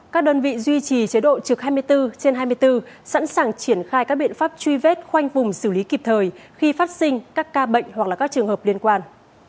các đơn vị duy trì chế độ trực hai mươi bốn trên hai mươi bốn sẵn sàng triển khai các biện pháp truy vết khoanh vùng xử lý kịp thời khi phát sinh các ca bệnh hoặc là các trường hợp liên quan